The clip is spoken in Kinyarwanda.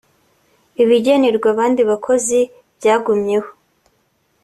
ibigenerwa abandi bakozi byagumyeho